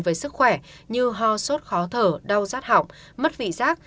về sức khỏe như ho sốt khó thở đau rát hỏng mất vị rác